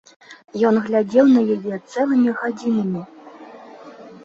Ён глядзеў на яе цэлымі гадзінамі.